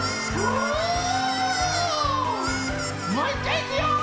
もういっかいいくよ。